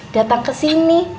datang ke sini